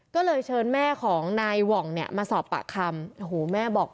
ก็เลยเชิญแม่ของนายหว่องเนี่ยมาสอบปากคำโอ้โหแม่บอก